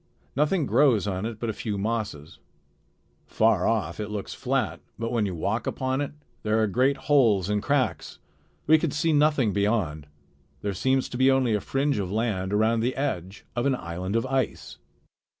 Nothing grows on it but a few mosses. Far off it looks flat, but when you walk upon it, there are great holes and cracks. We could see nothing beyond. There seems to be only a fringe of land around the edge of an island of ice."